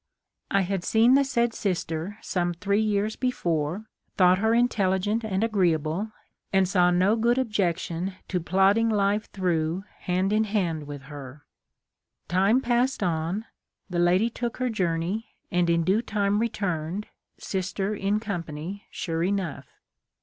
I had seen the said sister some three years before, thought her intelligent and agreeable, and saw no good objection to plod ding life through hand in hand with her. Time passed on, the lady took her journey, and in due time returned, sister in company sure enough.